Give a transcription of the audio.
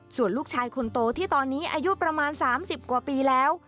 ส่วนลูกชายคนโตที่ตอนนี้อายุประมาณ๓๐กว่าปีแล้ว